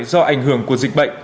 do ảnh hưởng của dịch bệnh